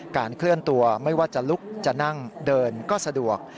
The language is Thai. เคลื่อนตัวไม่ว่าจะลุกจะนั่งเดินก็สะดวก